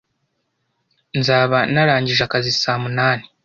Nzaba narangije akazi saa munani